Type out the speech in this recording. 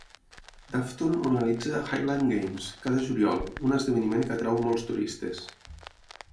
Dufftown organitza "highland games" cada juliol, un esdeveniment que atrau molts turistes.